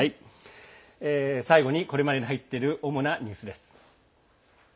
最後にこれまでに入っている主なニュースです。